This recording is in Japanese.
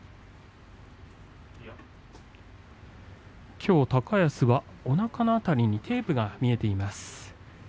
きょうの高安は、おなかの辺りにテープが見えています。